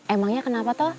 emangnya kenapa toh